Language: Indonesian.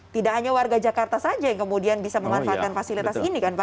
tidak hanya warga jakarta saja yang kemudian bisa memanfaatkan fasilitas ini kan pak